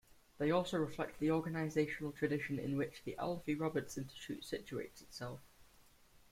They also reflect the organizational tradition in which The Alfie Roberts Institute situates itself.